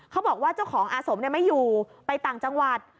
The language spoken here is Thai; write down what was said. เขาบอกว่าเจ้าของอาสมไม่อยู่ไปต่างจังหวัด